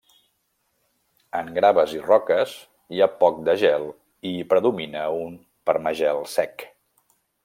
En graves i roques, hi ha poc de gel i hi predomina un permagel sec.